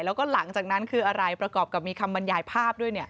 แล้วก็หลังจากนั้นคืออะไรประกอบกับมีคำบรรยายภาพด้วย